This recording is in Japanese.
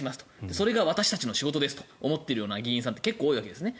それが私たちの仕事ですと思っている議員さんって多いわけですね。